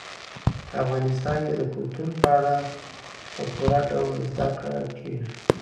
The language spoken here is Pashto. په افغانستان کې د کلتور په اړه په پوره ډول زده کړه کېږي.